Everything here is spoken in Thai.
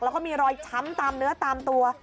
แล้วก็มีรอยช้ำตามเนื้อตามตัว